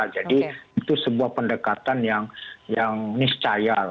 jadi itu sebuah pendekatan yang miscaya